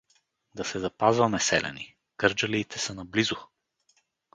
Да се запазваме, селяни… Кърджалиите са наблизо!